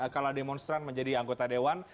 kala demonstran menjadi anggota dewan